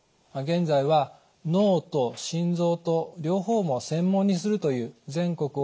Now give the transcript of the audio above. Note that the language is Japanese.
現在は脳と心臓と両方を専門にするという全国